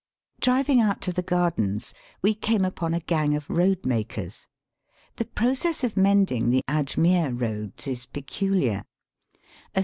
Driving out to the gardens we came upon a gang of road makers. The process of mend ing the Ajmere roads is pecuUar.